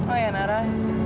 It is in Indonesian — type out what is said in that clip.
oh ya nara